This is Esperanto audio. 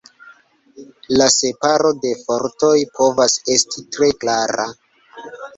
La separo de fortoj povas esti tre klara.